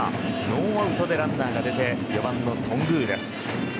ノーアウトでランナーが出て４番の頓宮です。